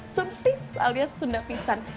suntis alias sunda pisan